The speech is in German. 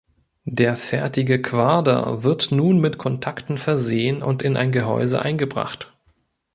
Der fertige Quader wird nun mit Kontakten versehen und in ein Gehäuse eingebracht.